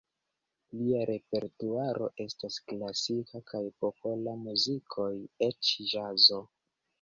Lia repertuaro estas klasika kaj popola muzikoj, eĉ ĵazo.